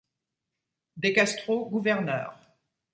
De Castro gouverneur.